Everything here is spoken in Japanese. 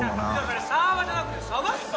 それサーバーじゃなくて鯖っすよ！